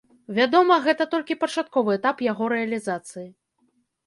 Вядома, гэта толькі пачатковы этап яго рэалізацыі.